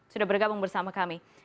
sudah bergabung bersama kami